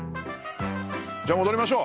じゃあ戻りましょう。